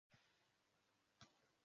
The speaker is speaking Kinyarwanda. Imbwa iriruka mu byatsi